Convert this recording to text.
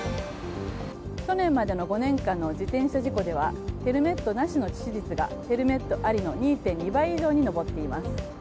去年までの５年間の自転車事故ではヘルメットなしの致死率がヘルメットありの２．２倍以上に上っています。